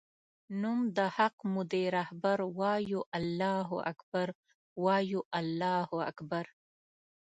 نوم د حق مودی رهبر وایو الله اکبر وایو الله اکبر